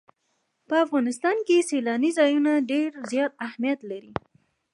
په افغانستان کې سیلاني ځایونه ډېر زیات اهمیت لري.